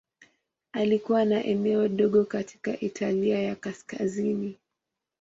Alikuwa na eneo dogo katika Italia ya Kaskazini.